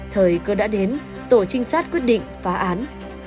thời cơ đã đến tổ trinh sát quyết định phá án